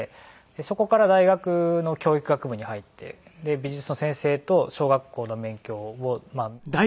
そこから大学の教育学部に入って美術の先生と小学校の免許を取得して。